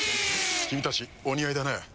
君たちお似合いだね。